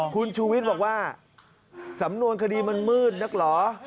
คุณชูวิทย์บอกว่าสำนวนคดีมันมืดนักเหรอ